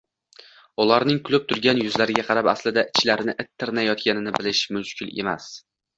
Ularning kulib turgan yuzlariga qarab, aslida ichlarini it tirnayotganini bilish mushkul emas